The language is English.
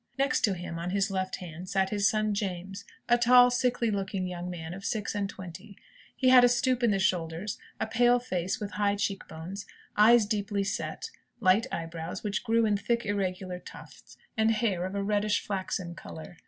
Next to him, on his left hand, sat his son James, a tall, sickly looking young man, of six and twenty. He had a stoop in the shoulders, a pale face, with high cheek bones, eyes deeply set, light eyebrows, which grew in thick irregular tufts, and hair of a reddish flaxen colour.